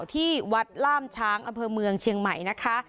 ที่วัดล่ามช้างอำเภอเมืองเชียงใหม่นะคะ